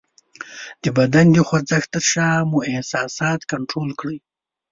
د بدن د خوځښت تر شا مو احساسات کنټرول کړئ :